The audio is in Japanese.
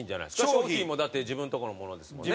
商品もだって自分のとこのものですもんね。